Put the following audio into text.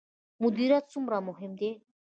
مدیریت څومره مهم دی؟